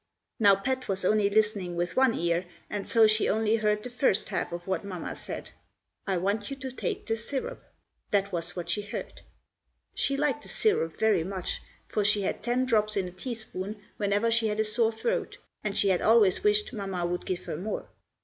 Now Pet was only listening with one ear, and so she only heard the first half of what Mamma said: "I want you to take this syrup." That was what she heard. She liked the syrup very much, for she had ten drops in a teaspoon whenever she had a sore throat, and she had always wished Mamma would give her more.